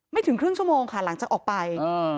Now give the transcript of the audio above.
ถึงครึ่งชั่วโมงค่ะหลังจากออกไป